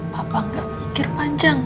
papa ga mikir panjang